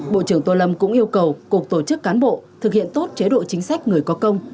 bộ trưởng tô lâm cũng yêu cầu cục tổ chức cán bộ thực hiện tốt chế độ chính sách người có công